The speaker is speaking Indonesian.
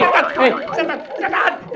setan setan setan